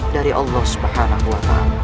dari allah swt